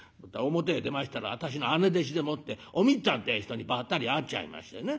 「表へ出ましたら私の姉弟子でもっておみっつぁんってえ人にばったり会っちゃいましてね